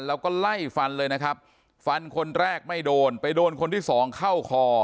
แล้วก็ไล่ฟันเลยนะครับฟันคนแรกไม่โดนไปโดนคนที่สองเข้าคอ